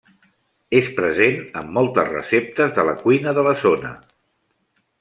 És present en moltes receptes de la cuina de la zona.